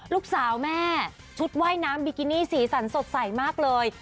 ลูกสาวแม่ชุดว่ายน้ำบิกินี่สีสันสดใสมากเลย